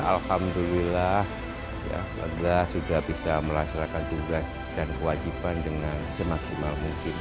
alhamdulillah warga sudah bisa melaksanakan tugas dan kewajiban dengan semaksimal mungkin